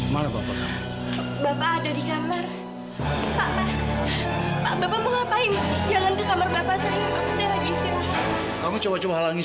bapaknya aida itu yang mendekati dina duluan